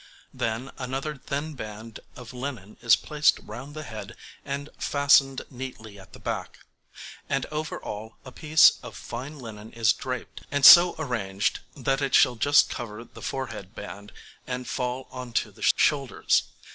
Then another thin band of linen is placed round the head and fastened neatly at the back; and over all a piece of fine linen is draped, and so arranged that it shall just cover the forehead band and fall on to the shoulders.